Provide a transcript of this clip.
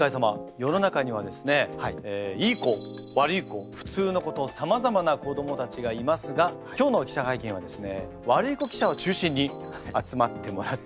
世の中にはですねいい子悪い子普通の子とさまざまな子どもたちがいますが今日の記者会見はですね悪い子記者を中心に集まってもらっております。